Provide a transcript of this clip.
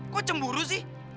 kok cemburu sih